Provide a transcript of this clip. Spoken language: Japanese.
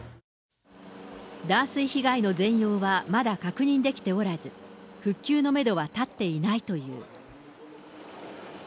断水被害の全容は、まだ確認できておらず、復旧のメドは立っていないという。